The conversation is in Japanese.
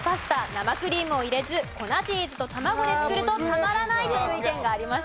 生クリームを入れず粉チーズと卵で作るとたまらないという意見がありました。